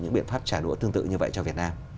những biện pháp trả đũa tương tự như vậy cho việt nam